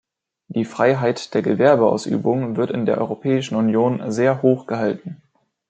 Die Freiheit der Gewerbeausübung wird in der Europäischen Union sehr hochgehalten.